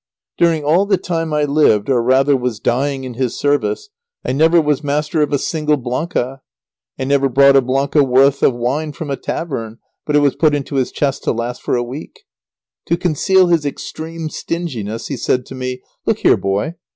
During all the time I lived, or rather was dying in his service, I never was master of a single blanca. I never brought a blanca worth of wine from a tavern, but it was put into his chest to last for a week. To conceal his extreme stinginess he said to me, "Look here, boy!